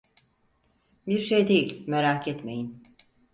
Bir şey değil, merak etmeyin…